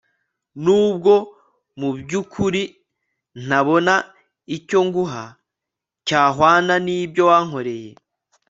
nubwo mubyukuri ntabon icyo nguha cyahwana nibyo wankoreye